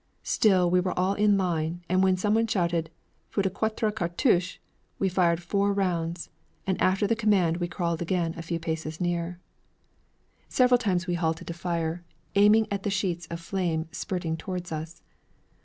Still we were all in line, and when some one shouted, 'Feu de quatre cartouches!' we fired four rounds, and after the command all crawled again a few paces nearer. Several times we halted to fire, aiming at the sheets of flame spurting toward us.